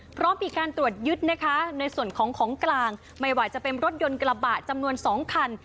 พร้อมมีการตรวจยึดนะคะในส่วนของของกลางไม่ว่าจะเป็นรถยนต์กระบะจำนวน๒คัน